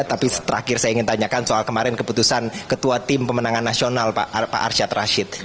tapi terakhir saya ingin tanyakan soal kemarin keputusan ketua tim pemenangan nasional pak arsyad rashid